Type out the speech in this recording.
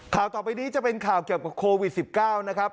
ข่าวต่อไปนี้จะเป็นข่าวเกี่ยวกับโควิด๑๙นะครับ